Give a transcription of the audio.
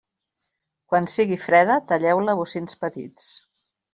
Quan sigui freda, talleu-la a bocins petits.